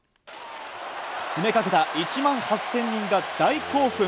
詰めかけた１万８０００人が大興奮！